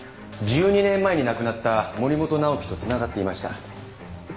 １２年前に亡くなった森本直己と繋がっていました。